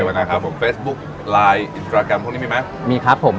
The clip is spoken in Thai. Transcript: ยังไงครับผมเฟซบุ๊คไลน์อินสตราแกรมพวกนี้มีไหมมีครับผม